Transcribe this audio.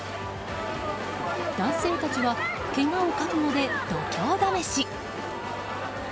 男性たちはけがを覚悟で度胸試し。